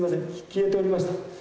消えておりました。